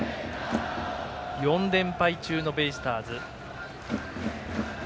４連敗中のベイスターズ。